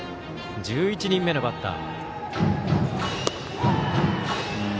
１１人目のバッター。